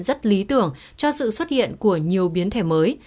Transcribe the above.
rất lý tưởng cho sự xuất hiện của nhiều biến thể mới